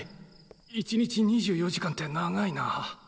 一日２４時間って長いなあ。